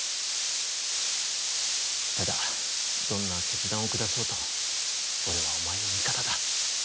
ただどんな決断を下そうとおれはおまえの味方だ。